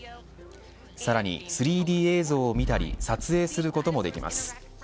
さらに３Ｄ映像を見たり撮影することもできます。